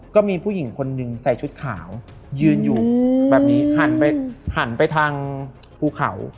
ก็มีผู้หญิงคนหนึ่งใส่ชุดขาวยืนอยู่แบบนี้หันไปหันไปทางภูเขา